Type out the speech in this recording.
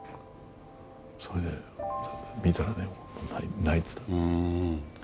それで、見たらね、泣いてたんです。